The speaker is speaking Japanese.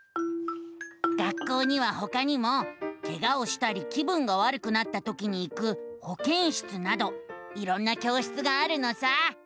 学校にはほかにもケガをしたり気分がわるくなったときに行くほけん室などいろんな教室があるのさ。